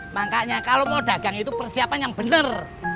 makanya kalo mau dagang itu persiapan yang bener